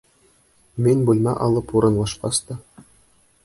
Мин бүлмә алып урынлашҡас та...